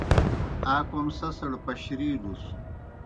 آ کوْم سیْسڑ پشرِیلُس۔